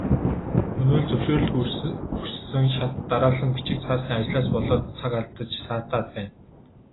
Өнөө л зөвшөөрөл хүссэн шат дараалсан бичиг цаасны ажлаас болоод цаг алдаж саатаад байна.